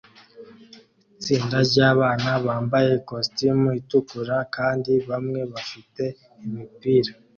Itsinda ryabana bambaye ikositimu itukura kandi bamwe bafite imipira